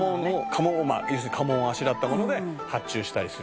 「家紋を要するに家紋をあしらったもので発注したりする」